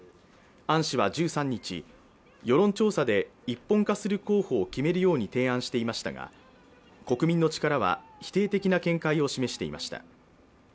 アン氏は１３日、世論調査で一方化する候補を決めるよう提案していましたが国民の力は否定的な見解を示していました。